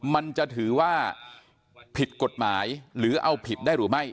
มันจะถือว่าผิดกฎหมายหรือเอาผิดได้หรือไม่